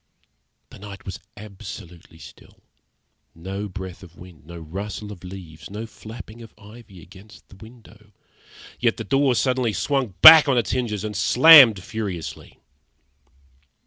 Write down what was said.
The night was absolutely still, no breath of wind, no rustle of leaves, no flapping of ivy against the window; yet the door suddenly swung back on its hinges and slammed furiously.